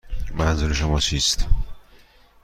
منظور شما چیست؟